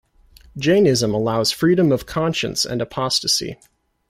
Jainism allows freedom of conscience and apostasy.